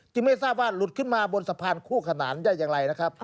ไม่ทราบว่าหลุดขึ้นมาบนสะพานคู่ขนานได้อย่างไรนะครับ